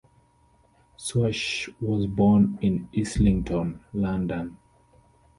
Swash was born in Islington, London.